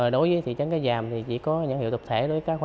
đối với thị trấn cá giàm thì chỉ có nhận hiệu tập thể